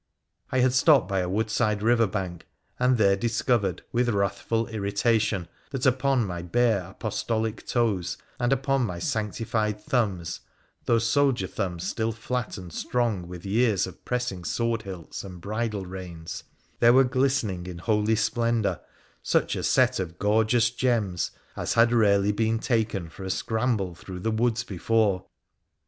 I had stopped by a woodside river bank, and there discovered with wrathful irritation that upon my bare apostolic toes and upon my sanctified thumbs — those soldier thumbs still flat and strong with years of pressing sword hilts and bridle reins — there were glistening in holy splendour such a set of gorgeous gems as had rarely been taken for a scramble through the woods before